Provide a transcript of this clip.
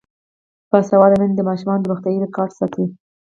باسواده میندې د ماشومانو روغتیايي ریکارډ ساتي.